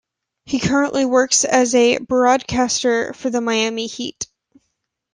He currently works as a broadcaster for the Miami Heat.